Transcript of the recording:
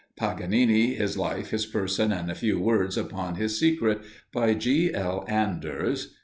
"Paganini, his Life, his Person, and a few Words upon his Secret," by G. L. Anders.